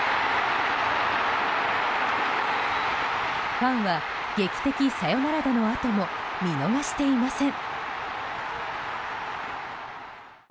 ファンは劇的サヨナラ打のあとも見逃していません。